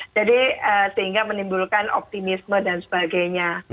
jadi sehingga menimbulkan optimisme dan sebagainya